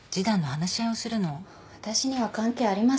私には関係ありません。